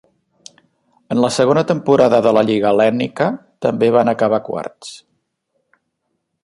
En la segona temporada de la Lliga hel·lènica també van acabar quarts.